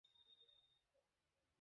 আমার চাওয়াতে কিছু যায়আসে?